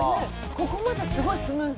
ここまですごいスムーズ」